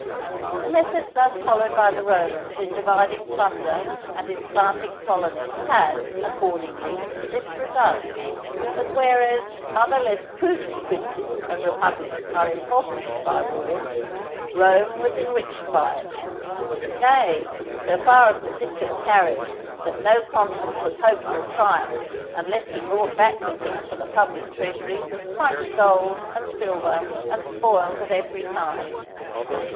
The methods thus followed by the Romans in dividing plunder and in planting colonies had, accordingly, this result, that whereas other less prudent princes and republics are impoverished by war, Rome was enriched by it; nay, so far was the system carried, that no consul could hope for a triumph unless he brought back with him for the public treasury much gold and silver and spoils of every kind.